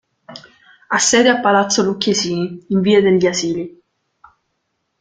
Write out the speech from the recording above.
Ha sede a Palazzo Lucchesini, in Via degli Asili.